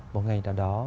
một ngày nào đó